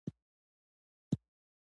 دغه خاکې ماکې هسې ګپ دی.